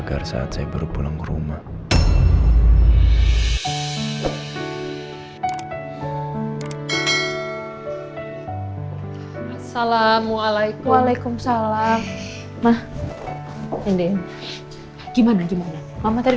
apa yang terjadi